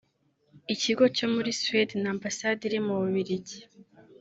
Ikigo cyo muri Suède na Ambasade iri mu Bubiligi